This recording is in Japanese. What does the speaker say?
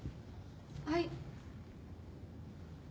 はい。